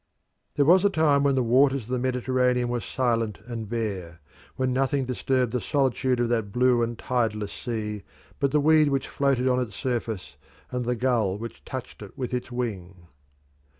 There was a time when the waters of the Mediterranean were silent and bare; when nothing disturbed the solitude of that blue and tideless sea but the weed which floated on its surface and the gull which touched it with its wing.